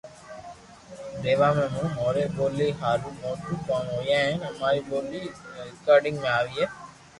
ديوا جي مون اموري ٻولي ھارو موٽو ڪوم ھوئي ھين اماري ٻولي رآڪارذ مي آوئي